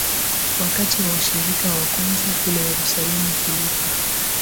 wakati wa ushirika wa kwanza kule Yerusalemu Filipo